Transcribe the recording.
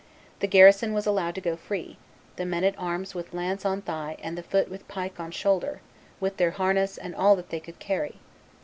The garrison was allowed to go free, the men at arms with lance on thigh and the foot with pike on shoulder, with their harness and all that they could carry."